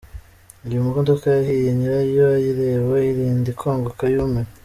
Iyi modoka yahiye nyirayo ayireba irinda ikongoka yumiwe.